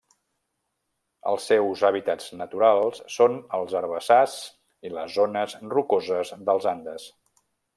Els seus hàbitats naturals són els herbassars i les zones rocoses dels Andes.